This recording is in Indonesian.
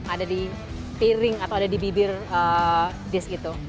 ada di piring atau ada di bibir disk itu